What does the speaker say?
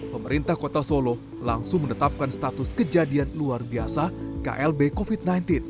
pemerintah kota solo langsung menetapkan status kejadian luar biasa klb covid sembilan belas